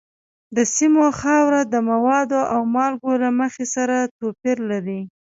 د سیمو خاوره د موادو او مالګو له مخې سره توپیر لري.